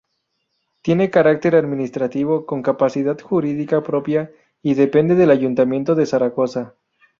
Tiene carácter administrativo con capacidad jurídica propia, y depende del Ayuntamiento de Zaragoza.